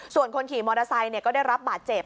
ส่วนคนขี่มอเตอร์ไซค์ก็ได้รับบาดเจ็บ